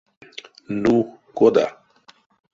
Ну, кода?